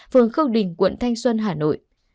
phường khương đình quận thanh xuân hà nội